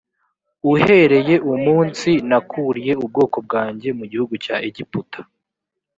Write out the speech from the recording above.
uhereye umunsi nakuriye ubwoko bwanjye mu gihugu cya egiputa